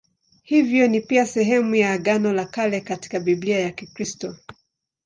Hivyo ni pia sehemu ya Agano la Kale katika Biblia ya Kikristo.